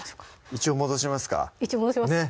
一応戻します